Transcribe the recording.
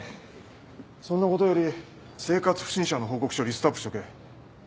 そんなことより生活不審者の報告書をリストアップしとけ。